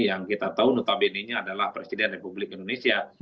yang kita tahu notabenenya adalah presiden republik indonesia